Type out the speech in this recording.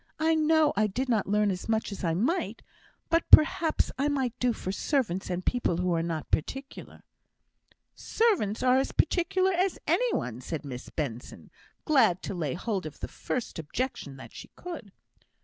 I know I did not learn as much as I might, but perhaps I might do for servants, and people who are not particular." "Servants are as particular as any one," said Miss Benson, glad to lay hold of the first objection that she could.